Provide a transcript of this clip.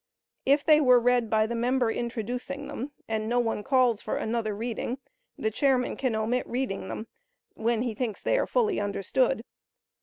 If they were read by the member introducing them, and no one calls for another reading, the chairman can omit reading them when be thinks they are fully understood.